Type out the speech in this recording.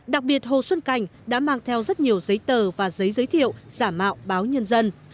đặc biệt hồ xuân cảnh đã mang theo rất nhiều giấy tờ và giấy giới thiệu giả mạo báo nhân dân